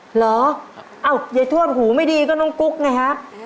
เหรออ้าวยายทวดหูไม่ดีก็น้องกุ๊กไงครับ